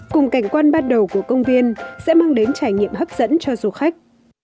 cùng cảnh quan bắt đầu của công viên sẽ mang đến trải nghiệm hấp dẫn cho du khách